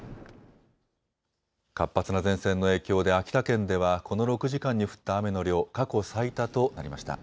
活発な前線の影響で秋田県ではこの６時間に降った雨の量、過去最多となりました。